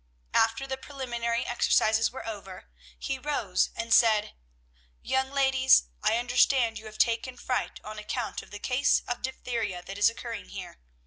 After the preliminary exercises were over, he rose, and said, "Young ladies, I understand you have taken fright on account of the case of diphtheria that is occurring here.